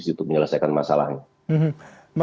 untuk menyelesaikan masalahnya